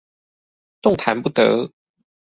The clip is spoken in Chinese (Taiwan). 動彈不得